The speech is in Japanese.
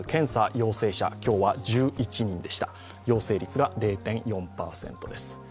陽性率が０．４％です。